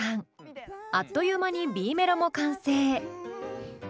あっという間にＢメロも完成。